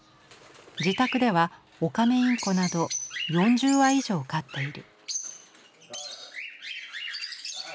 自宅ではオカメインコなど４０羽以上飼っている。